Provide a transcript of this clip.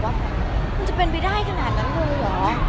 เกิดขึ้นมันจะเป็นไปได้ขนาดนั้นเลยหรอ